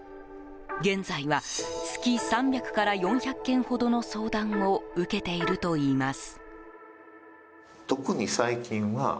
現在は月３００から４００件ほどの相談を受けているといいます。